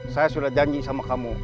saya sudah janji sama kamu